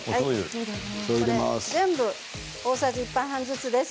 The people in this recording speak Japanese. これ全部大さじ１杯半ずつです。